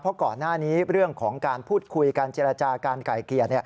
เพราะก่อนหน้านี้เรื่องของการพูดคุยการเจรจาการไก่เกลี่ย